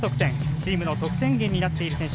チームの得点源になっている選手。